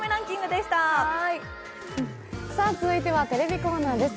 続いてはテレビコーナーです。